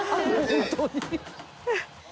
本当に